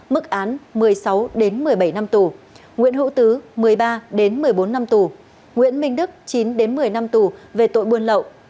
mức án một mươi sáu một mươi bảy năm tù nguyễn hữu tứ một mươi ba một mươi bốn năm tù nguyễn minh đức chín một mươi năm tù về tội buôn lậu